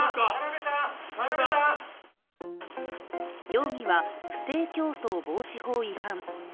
容疑は不正競争防止法違反。